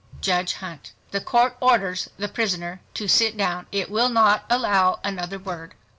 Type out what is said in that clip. JUDGE Hunt—The Court orders the prisoner to sit down. It will not allow another word.